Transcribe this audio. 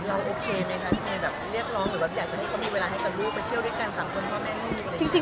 แล้วโอเคมั้ยคะในแบบเรียกรองหรือว่าอยากจะให้เขามีเวลาให้กับลูกไปเที่ยวด้วยกัน๓คนเพราะว่าแม่ไม่รู้เลย